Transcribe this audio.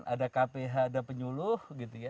ada kph ada penyuluh